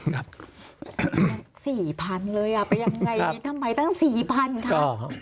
๔๐๐๐เลยทำยังไงทำไมตั้ง๔๐๐๐คะก็